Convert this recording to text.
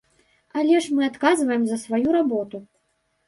Але ж мы адказваем за сваю работу.